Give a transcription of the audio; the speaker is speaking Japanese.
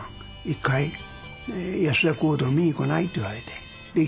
一回安田講堂を見に来ない？」って言われて行った。